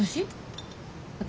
私？